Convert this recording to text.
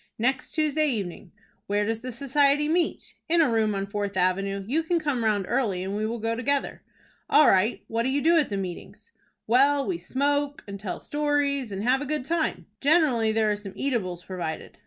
"Next Tuesday evening." "Where does the society meet?" "In a room on Fourth Avenue. You can come round early, and we will go together." "All right. What do you do at the meetings?" "Well, we smoke, and tell stories, and have a good time. Generally there are some eatables provided.